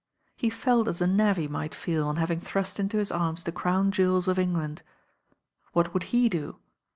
He felt as a navvy might feel on having thrust into his arms the crown jewels of England. What would he do?